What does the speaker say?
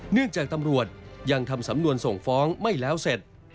เนื่องจากตำรวจยังทำสำนวนส่งฟ้องไม่แล้วเสร็จ